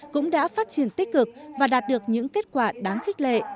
cũng đã phát triển tích cực và đạt được những kết quả đáng khích lệ